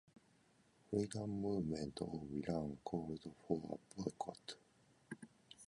Freedom Movement of Iran called for a boycott.